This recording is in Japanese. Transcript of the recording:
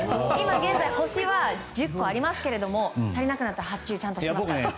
今現在、星は１０個ありますが足りなくなったら発注ちゃんとしますから。